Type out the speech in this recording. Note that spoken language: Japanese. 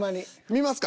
見ますか？